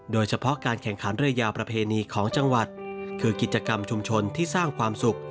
โดยเฉพาะการแข่งขันเรือยาวประเพณีของจังหวัดคือกิจกรรมชุมชนที่สร้างความสุข